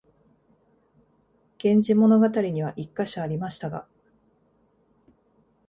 「源氏物語」には一カ所ありましたが、